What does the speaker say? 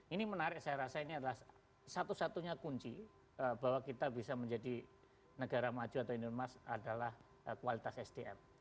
ini menarik saya rasa ini adalah satu satunya kunci bahwa kita bisa menjadi negara maju atau indonesia adalah kualitas sdm